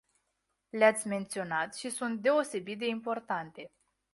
Le-ați menționat și sunt deosebit de importante.